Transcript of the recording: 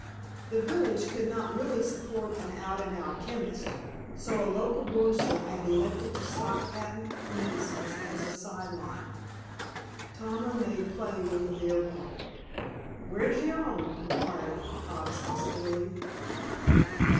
The village could not really support an out and out chemist, so a local grocer had elected to stock patent medicines as a side line. Tomlin made play with a beer pump. "Where's yer own?" inquired Hobbs hospitably.